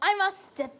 絶対。